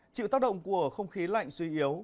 chịu tác động của không khí lạnh suy yếu